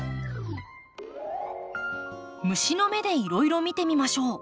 虫の目でいろいろ見てみましょう。